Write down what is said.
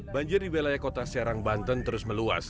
banjir di wilayah kota serang banten terus meluas